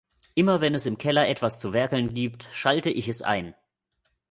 Immer wenn es im Keller etwas zu werkeln gibt, schalte ich es ein.